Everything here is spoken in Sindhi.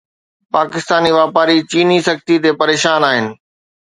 پاڪستاني واپاري چيني سختي تي پريشان آهن